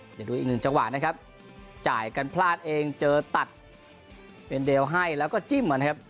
เดี๋ยวดูอีกหนึ่งจังหวะนะครับจ่ายกันพลาดเองเจอตัดเป็นเลวให้แล้วก็จิ้มนะครับ